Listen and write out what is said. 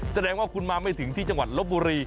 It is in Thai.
แสดงว่าคุณมาไม่ถึงที่จังหวัดลบบุรี